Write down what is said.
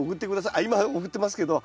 あっ今送ってますけど。